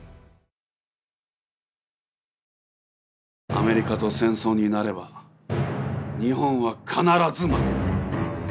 アメリカと戦争になれば日本は必ず負ける。